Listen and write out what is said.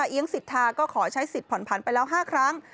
เอี๊ยงสิทธาก็ขอใช้สิทธิ์ผ่อนพันธุ์ไปแล้ว๕ครั้ง